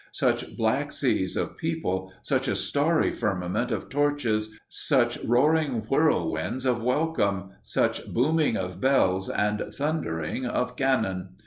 Such black seas of people, such a starry firmament of torches, such roaring whirlwinds of welcome, such booming of bells and thundering of cannon!